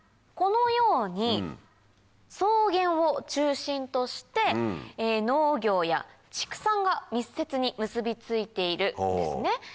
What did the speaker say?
このように草原を中心として農業や畜産が密接に結び付いているんですね。